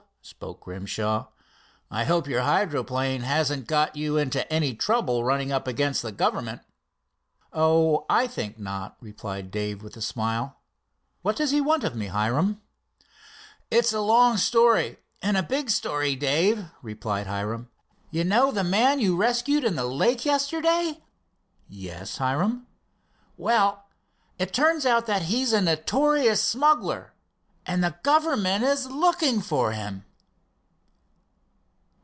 spoke Grimshaw, "I hope your hydroplane hasn't got you into any trouble running up against the government." "Oh, I think not," replied Dave with a smile. "It's a long story and a big story, Dave," replied Hiram. "You know the man you rescued he lake yesterday?" "Yes, Hiram." "Well, it turns out that he is a notorious smuggler and the government is looking for him."